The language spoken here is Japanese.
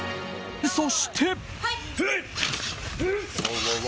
［そして］